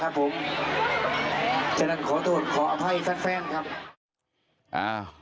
ฉะนั้นขอโทษขออภัยแฟ่นแฟ่นครับ